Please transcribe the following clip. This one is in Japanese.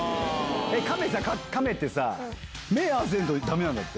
亀ってさ目合わせるとダメなんだって。